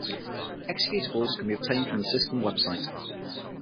Executables can be obtained from the system website.